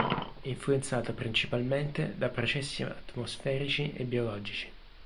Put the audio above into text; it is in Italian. È influenzata principalmente da processi atmosferici e biologici.